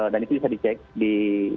dan itu bisa dicek di